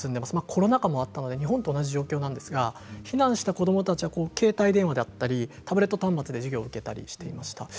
コロナ禍もあったので日本と同じ状況なんですが、避難した子どもたちは携帯電話やタブレット端末で授業を受けたりしていました。